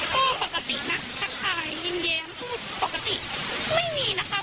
ก็ปกตินะถ้าใครยิ้มแย้มพูดปกติไม่มีนะครับ